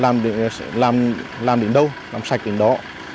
làm vệ sinh làm sạch làm đến đâu làm sạch đến đó